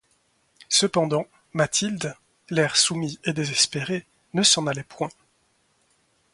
Cependant, Mathilde, l'air soumis et désespéré, ne s'en allait point.